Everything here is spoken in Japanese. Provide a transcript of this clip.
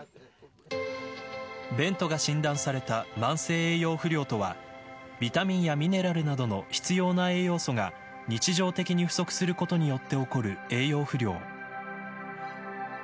ベントが診断された慢性栄養不良とはビタミンやミネラルなどの必要な栄養素が日常的に不足することによって起こる栄養不良。